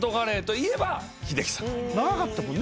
長かったもんね。